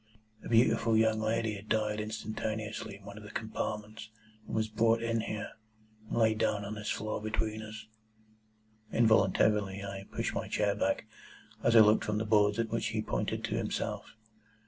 A beautiful young lady had died instantaneously in one of the compartments, and was brought in here, and laid down on this floor between us." Involuntarily I pushed my chair back, as I looked from the boards at which he pointed to himself.